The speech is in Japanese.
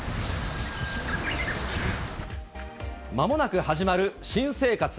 まもなく始まる新生活。